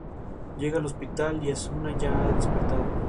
La mujer está embarazada, y pronto da a luz a un niño.